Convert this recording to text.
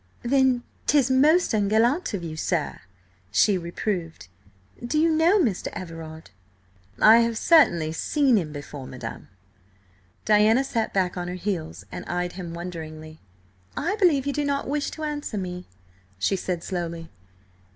"Then 'tis most ungallant of you, sir!" she reproved. "Do you know Mr. Everard?" "I have certainly seen him before, madam." Diana sat back on her heels and eyed him wonderingly. "I believe you do not wish to answer me," she said slowly.